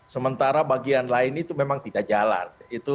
sementara bagian lain itu memang tidak jalan